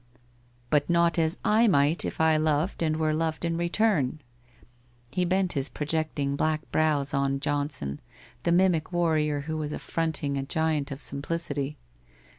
'But not as 7 might if I loved and were loved in re turn !' He bent his projecting black brows on Johnson, the mimic warrior who was affronting a giant of simplicity.